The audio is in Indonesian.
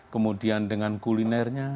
kemudian dengan kulinernya